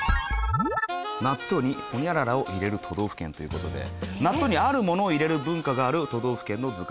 納豆にホニャララを入れる都道府県という事で納豆にあるものを入れる文化がある都道府県の図解です。